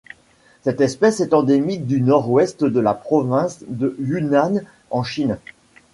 Cette espèce est endémique du Nord-Ouest de la province du Yunnan en Chine.